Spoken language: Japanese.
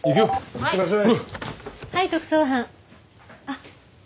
いってらっしゃい。